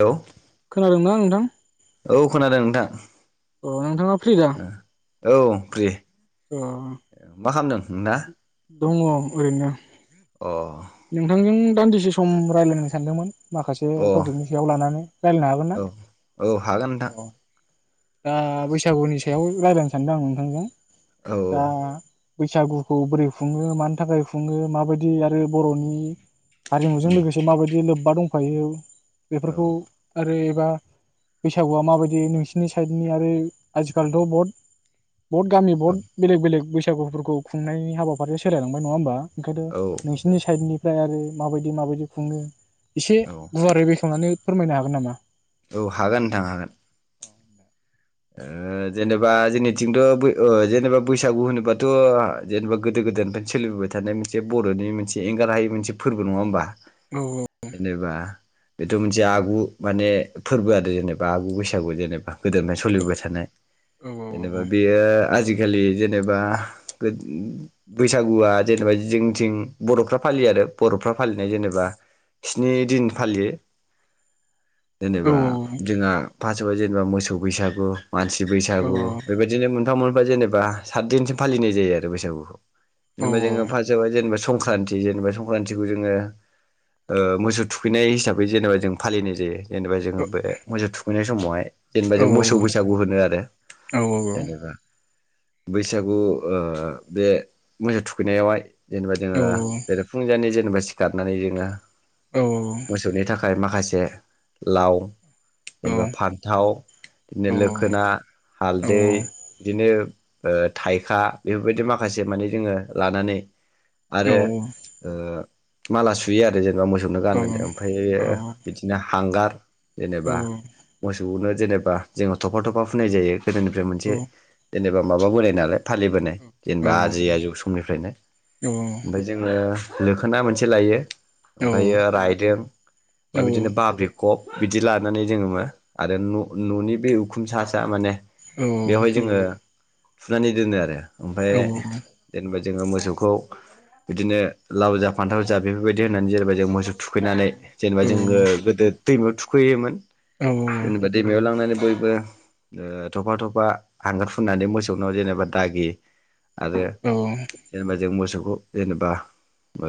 Hello खोनादोंना नोंथां औ खोनादों नोंथां औ नोंथांआ फ्रि दा औ फ्रि अ [unintelligible] दङ ओरैनो अ नोंथांजों दान्दिसे सम रायज्लायनो सानदोंमोन। माखासे अ टपिकनि सायाव लानानै रायजलायनो हागोन ना? औ औ हागोन नोंथां औ दा बैसागुनि सायाव रायज्लायनो सानदों आं नोंथांजों औ दा बैसागुखौ बोरै खुङो मानि थाखाय खुङो माबायदि आरो बर'नि हारिमुजों लोगोसे माबायदि लोब्बा दं फायो। बेफोरखौ आरो बा बैसागुआ माबायदि नों सिनि साइदनि आरो आथिखलिथ' बहुद बहुद गाननि बुहुद बेलेग बेलग बै सागुफोरखौ खुंनायनि हाबाफारिया सोलायांबाय नङा होनोमबा। ओंखायनोथ' औ नोंसिनि साइदनि ओमफ्राय आरो माबायदि माबायदि खुङो। एसे औ गुवारै बेखेवनानै फोरमायनो हागोन नामा? औ हागोन नोंथां हागोन। ओ जेनेबा जोंनिथिंथ' बै ओ जेनेबा बैसागु होनोबाथ' जेनेबा गोदो गोदायनिफ्रायनो सोलिबोबाय थानाय मोनसे बर'नि मोनसे एंगार हायै मोनसे फोरबो नङा होमबा। औ जेनेबा बेथ' मोनसे आगु माने फोरबो आरो जेनेबा आगु बैसागु जेनेबा गोदो- सोलिबाय थानाय औ जेनेबा बेयो आजि खालि जेनेबा बैसागुआ जेनेबा जोंथिं बर'फ्रा फालियो आरो बर'फ्रा फालिनाय जेनेबा स्नि दिन फालियो। औ जेनोबा जोंहा फार्स्ट जेनोबा मोसौ बैसा गु मानसि औ बैसागु बेबायदिनो मोनफा मोन फा जेनोबा साददिनसो फालिनाय जायो आरो बैसागुखौ। औ जेनोबा जोङो फार्सजावहाय जेनोबा संक्रान्ति जेनोबा संक्रान्तिखौ जोङो ओ मोसौ थुखैनाय हिसाबै जेनोबा जों फालिनाय जायो। जेनोबा जोङो बे मोसौ थुखैनाय समावहाय जेनोबा औ जों मोसौ बै सागु होनो आरो औ जेनोबा बैसागु ओ बे मोसौ थुखैनायावहाय जेनोबा जोङो औ बेरे फुंजानि जेनोबा सिखारनानै जोङो औ मोसौनि थाखाय मा खासे लाव जेनोबा फानथाव बिदिनो लोखोना हालदै बिदिनो ओब ओ थाइखा बेफोरबायदि माखासे माने जोङो लानानै आरो ओ माला सुयो आरो जेनोबा मो सौनो गानहोनो ओमफ्राय बिदिनो हांगार जेनोबा मोसौनो जेनोबा जोङो थ'फा थ'फा फुननाय जायो। गोदोनिफ्राय मोनसे जेनोबा माबा बोनाय नालाय फालिबोनाय जेनोबा आजै आजौ समनिफ्रायनो। ओमफ्राय जोङो लोखोना मोनसे लायो ओमफ्रायो रायदों ओमफ्राय बिदिनो बाब्रिकब बिदि लानानै जोङो मा आरो न' न'नि बे उखुम सा सा माने बेवहाय जोङो फुनानै दोनो आरो ओमफ्राय जेनेबा जोङो मोसौखौ बिदिनो लाव जा फान्थाव जा बेफोरबायदि होननानै जाहैबाय जों मोसौ थुखैनानै जेनेबा जोङो औ गोदो दैमायाव थुखैयोमोन औ औ जेनबा दैमायाव लांनानै बो थफा थफा हांगार फुननानै मोस मोसौनाव औ जेनबा दागि आरो जेनेबा जों मोसौ जेनेबा ओ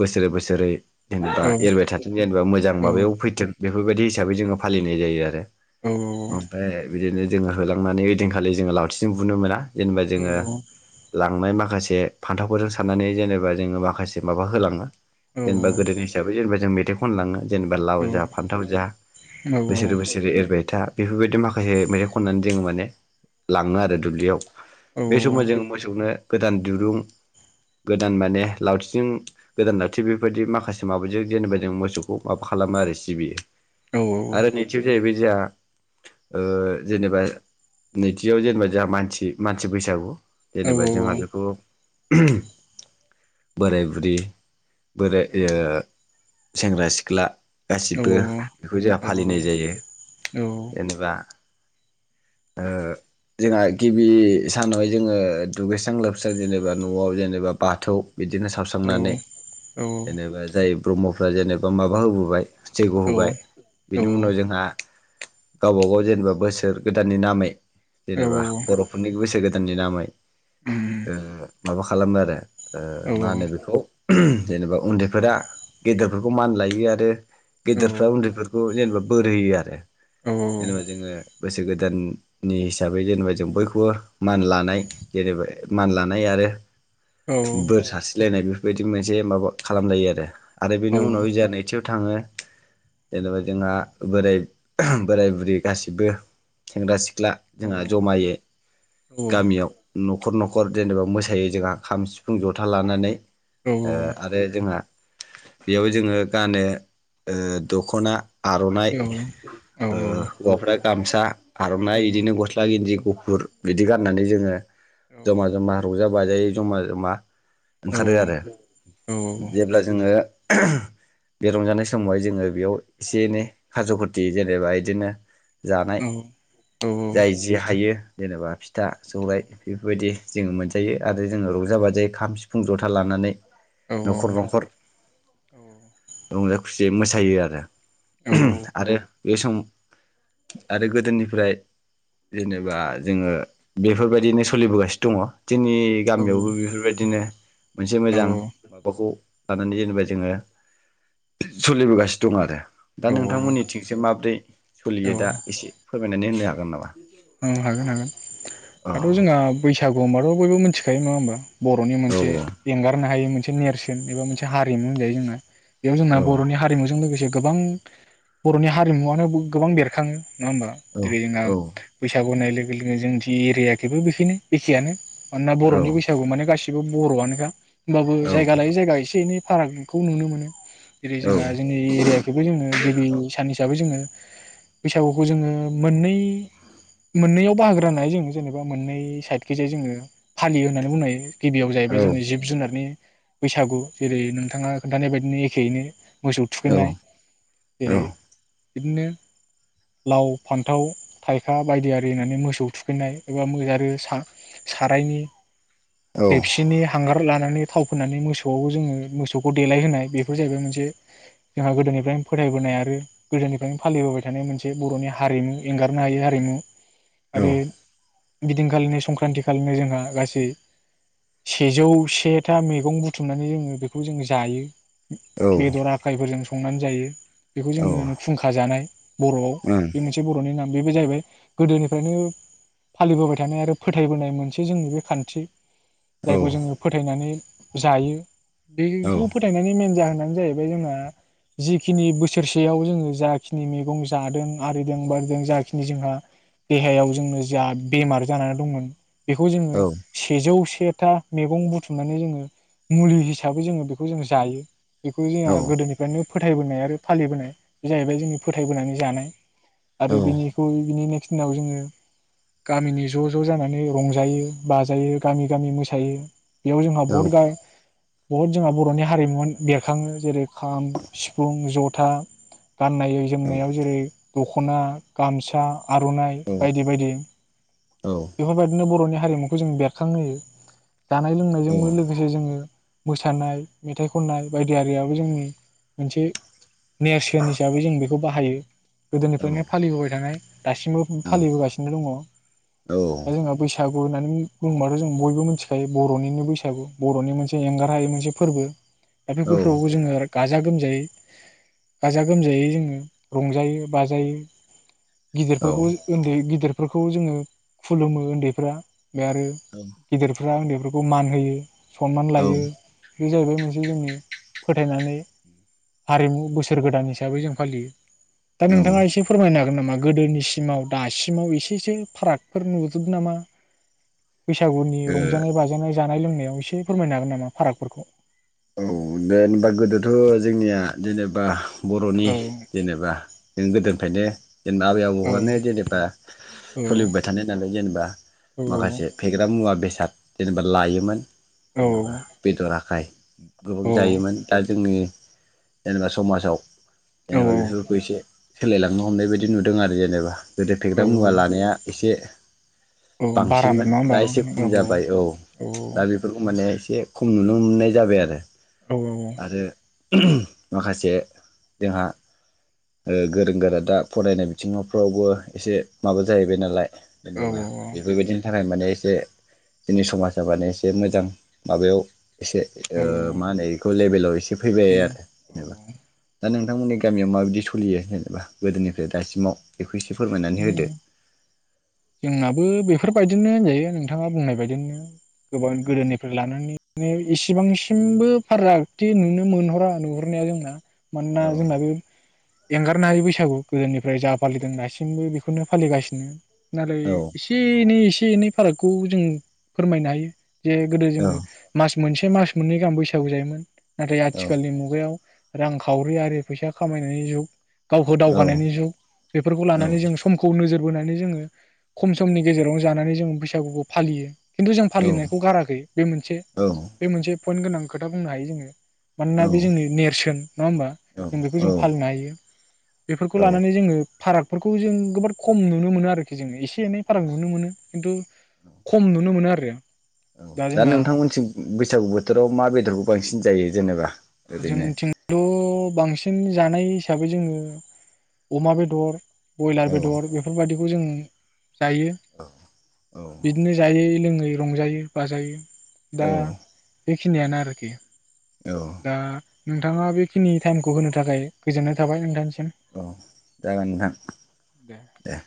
बोसोरै बोसोरै जेनेबा औ एरबाय थाथों जेनेबा मोजां माबायाव फैथों बेफोरबायदि हिसाबै जोङो फालिन फालिनाय जायो आरो। ओमफ्राय बिदिनो जोङो होलांनानै ओइदिनखालि जोङो लावथिजों बुनो मोना। जेनेबा जोङो लांनाय माखासे जे फान्थावफोरजों साननानै जेनेबा जोङो माखासे माबा होलाङो‌ जेनेबा गोदोनि हिसाब जेनेबा जों मेथाइ खन लांङो जेनेबा लाव औ जा फान्थाव जा बोसोरे बोसोरे एरबाय था बेफोरबायदि माखासे मेथाइ खननानै जोङो माने लाङो आरो दुब्लियाव बे समाव जों मोसौनो गोदान दिरुं गोदान माने लावथिजोंं गोदान लावथि बेफोरबायदि माखासे माबाजों जेनेबा जों मोसौखौ माबा खालामो आरो सिबियो। आरो निथिबो जाहैबाय । जोंहा ओ जेनेबा नैथियाव जेनेबा जोंहा मानसि मानसि बैसागु । जेनेबा जोंहा बेखौ बोराय बुरि बोराइ एओ सेंग्रा सिख्ला गासिबो बेखौ जोहा फालिनाय जायो जेनेबा ओ जोंहा गिबि सानावहाय जोङो दुगैस्रां लोबस्रां जेनेबा न'आव जेनेबा बाथौ बिदिनो सावस्रांनानै जेनेबा जाय ब्रहमाफोरा जेनेबा माबा होबोबाय जैग्य' होबाय बिनि उनाव जोंहा गावबा-गाव जेनेबा बोसोर गोदाननि नामै जेनेबा बर'फोरनि बोसोर गोदान दाननि नामै ओ माबा खालामो आरो ओ मा होनो बेखौ [unintelligible] जेनेबा उन्दैफोरा गेदेरफोरखौ मान लायो आरो गिदिरफोरा उन्दै खौ जेनेबा बोर होयो आरो जनेबा जोङो बोसोर गोदाननि हिसाबै जेनेबा जों बयखौबो मान लानाय जेनेबा मान लानाय आरो बोर सास्रिलायनाय बे बेदि मोनसे माबा खालाम जायो आरो आरो बेनि उनाव जाहा नैथिआव थाङो जेनेबा जोंहा बोराय-बोराय बुरै गासिबो सेंग्रा सिख सिख्ला जोंहा जमायो गामियाव न'खर न'खर जेनेबा मोस थायो जोंहा खाम सिफुं जथा लानानै ओ आरो जोंहा बेयाव जोङो गानो ओ दख'ना आर'नाइ ओ हौवाफ्रा गामसा आर'नाइ इदिनो गस्ला गिन्जि गुफुर बिदि गाननानै जोङो जमा जमा रंजा बाजायो जमा जमा ओंखारो आरो जेब्ला जोङो बे रंजानाय समावहाय जोङो बेयाव एसे एनै खाज' खथि जेनेबा इदिनो । जानाय जाय जि हायो जेनेबा बि था सौराय बेफोरबायदि जोङो मोनजायो आरो जोङो रंजा बाजायै खाम सिफुं जथा लानानै न'खर न'खर रंजा खुस जे मोसायो आ ए औ औ आरो बे सम आरो गोदोनिफ्राय जेनेबा जोङो बेफोरबायदिनो सोलिबोगासिनो दङ। जोंनि औ गामियावबो बेफोरबायदिनो मोनसे मोजां बाखौ लानानै जेनेबा जोङो सलिबोगासिनो दं आरो दा औ नोंथांमोननि थिंसो माब्रै औ सोलियो दा एसे फोरमाय नानै होनो हागोन नामा। औ हागोन हागोन औ दाथ' जोंहा बैसाग गम्बाथ' बयबो मिथिखायो नङा होमबा बर'नि औ मोनसे एंगारनो हायि मो नेरसोन एबा मोनसे हारिमु होनजायो जोंना बेयाव जोंना औ बर'नि हारिमुजों लोगोसे गोबां बर'नि हारिमुवानो गोबां बेरखाङो नङा होमबा औ [unintelligible] बैसागुनाय लोगो लोगो जोंनि एरियाखेबो बेखिनो एखेयानो। मानोना औ बर'नि औ बैसागु माने गासि बो बर'आनोखा होमबाबो औ जायगा लायो जायगा एसे एनै फारागखौ नुनो मोनो। जेरै औ जोंहा जोंनि एरियखौबो जोङो गिबि सान हिसाबै जोङो बैसागुखौ जोङो मोननै मोननैयाव बाहागो होननाय जों जेनेबा मोननै साइडखि जाय जोङो फालियो होननानै बुंनो हायो। गिबियाव औ जाहैबाय जोङो जिब-जुनारनि बैसागु जेरै नोंथाङा खोन्थानाय बायदिनो एखेयैनो मोसौ औ थुखैनाय औ जेरै बिदिनो लाव, फान्थाव, थाइखा बायदि आरि होननानै मोसौ थुखैनाय एबा आरो सा-सारायनि ओं देपसिनि हांगार थाव फोननानै मोसौआव जोङो मोसौखौ थाव राव थाव फोननानै मोसौखौ देलायहोनाय बेफोर जाहैबाय मोनसे जोंहा गोदोनिफ्रायनो फोथायबोनाय आरो गोदोनिफ्रायनो फालिबोबाय थानाय मोनसे बर'नि हारिमु एंगारनो हायि हारिमु औ आरो बिदिनखालिनो संक्रान्ति खालिनो जोंहा गासै सेजौ सेथा मैगं बुथुमनानै जोङो बेखौ जोंङो जायो। औ बेदर आखाइफोरजों सं संनानै जायो। बेखौ जोङो खुंखा जानाय बर'आव बे मोनसे बर'नि नाम बेबो जाहैबाय गोदोनिफ्रायनो फालिबोबाय थानाय आरो फोथायबोनाय मोनसे जोंनि बे खान्थि औ जायखौ जोङो फोथायनानै जायो औ बेखौ फोथायनानै मेन जाहोन नानो जाहैबाय जोंहा जिखिनि बोसोरसेयाव जोङो जाखिनि मैगं जादों आरिदों बारिदों जाखिनि जोंहा देहायाव जोंनो जा बेमार जानानै दंमोन बेखौ जोङो सेजौ से था मैगं बुथुमनानै जोङो मुलि हिसाबै जोङो बेखौ जों जायो। बेखौ जोंहा गोदोनिफ्रायनो फोथायबोनाय आरो फालिबोनाय बे जाहैबाय जोंनि फोथायबोनानै जानाय। आरो बिनिखौ बिनिनो दिनाव जोङो गामिनि ज' ज' जानानै रंजायो बाजायो गामि गामि मोसायो‌ बेयाव जोंहा बहुत गाय बुहुत जोंहा बर'नि हारिमुमोन बेरखाङो जेरै खाम सिफुं जथ था गान्नाय जोमनायाव जेरै दख'ना गामसा आर'नाइ बायदि बायदि। बेफोरबायदिनो बर'नि हा हारिमुखौ जों बेरखांहोयो। जानाय लोंनायजोंबो लोगोसे जोङो। मोसानाय मेथाइ खननाय बायदिरियाबो जोंनि मोनसे नेरसोनहिसाबै जों बे बेखौ बाहायो। गोदोनिफ्रायनो फालिबोबाय थानाय। दासिमबो औ फालिबोगासिनो दङ दा ओ जोंहा बैसाग फोर होननानै बुंओ होनबाथ' जों बयबो मिथिखायो बर'निनो बैसागु बर'नि मोनसे एंगार हायै मोनसे फोरबो । दा [unintelligible] औ जोंङो गाजा गोमजायै गाजा गोमजायै जोंङो रंजायो बाजायो । गिदिरफोरखौ उन्दै गिदिर फोरखौ जोंङो खुलुमो उन्दैफ्रा । बे आरो गिदिरफो फोरा उन्दैफोरखौ मान होयो । सनमान लायो । बे जाहैबाय मोनसे जोंनि फोथायनानै हारिमु बोसोर गोदान हिसाबै जों फालियो । दा नोंथांङा एसे फोरमायनो हागो नामा गोदोनिसिमाव दासिमाव एसे एसो फारागफोर नुजोब नामा? बैसागुनि रंजानाय बाजानाय जानाय लोंनाय एसे फोरमायनो हागोन नामा फारागफोरखौ? औ जेनेबा गोदोथ' जोंनिया जेनेबा बर'नि औ जेनेबा जों गोदोनिफ्रायनो जेनेबा आबै औ आबौआानो जेनेबा औ सोलिबाय थानाय नालाय जेनेबा माखासे फेग्रा मुवा बेसे जेनेबा लायोमोन औ जेनेबा बेदर आखाय गोबां औ जायोमोन दा जोंनि जेनेबा समाजाव औ जेनेबा बेफोरखौ एसे सोलायलांनो हमनाय बायदि नुदों आरो जेनेबा गोदो फेग्रा मुवा औ लानाया एसे औ बारामोन बांसिनमोन नङा दा एसे खम होमबा जाबाय औ दा बेफोरखौ माने एसे खम नुनो मोननाय जाबाय आरो [unintelligible] औ औ औ । आरो माखासे जोंहा ओ गोरों गोरा दा फरायनाय बिथिङावफ्रावबो एसे माबा जाहैबाय नालाय जेनेबा बेफोरबायदिनि थाखाय माने एसे जोंनि समाजा माने एसे मोजां माबायाव एसे ओ औ मा होनो बेखौ लेभेलाव एसे फैबाय आरो औ जेनेबा दा नों नोंथांमोननि गामियाव माबायदि सलियो जेनेबा गोदोनिफ्राय दासिमाव बे एसे फोरमायनानै औ होदो। जोंनाबो बेफोरबायदिनो होनजायो नोंथाङा बुंनाय बायदिनो गोबां गोदोनिफ्राय लानानै माने इसिबांसिमबो फारागथि नुनो मोनहरा नुहरनाया जोंना मानोना औ जोंना बे एंगारनो हायि बैसागु गोदोनिफ्राय जा फालिदों दासिमबो बेखौनो फालिगासिनो नाथाइ औ एसे एनै एसे एसे एनै फारागखौ जों फोरमायनो हायो जे गोदो औ जोङो मास मोनसे मास मोननै गाहाम बैसागु जायोमोन नाथाय औ आथिखालनि मुगायाव रांखावरि आरो फैसा खामायनायनि जुग गावखौ दावगानायनि जुग बेफोरखौ औ लानानै जों समखौ नोजोर बोनानै जोङो खम समनि गेजेरावनो जानानै जों बैसागुखौ फालियो। खिन्थु जों औ फालिनायखौ गाराखै बे मोनसे औ बे मोनसे पइन्ट गोनां खोथा बुंनो हायो जोङो। मानोना बे जोंनि नेरसोन। नङा होमबा? जों औ बेखौ जों फालिनो हायो। बेफोरखौ औ लानानै जोङो फारागफोरखौ जों गोबोरद खम नुनो मोनो आरो खि जों एसे एनै फाराग नुनो मोनो। खिन्थु औ खम नुनो मोनो आरो। औ दा नोंथांमोनथिं बैसागु बोथोराव माबायदि खौ बांसिन जायो जेनेबा? ओरैनो जोंथिंथ' बांसिन जानाय हिसाबै जोङो अमा बेदर बयलार औ बेदर बेफोरबायदिखौ खौ जों जायो औ बिदिनो जायै-लोङै रंजायो बाजायो दा औ बेखिनियानो आरोखि। औ दा नोंथाङा बेखिनि टाइमखौ होनो थाखाय गोजोननाय थाबाय नोंथांनिसि औ जागोन नोंथां दे।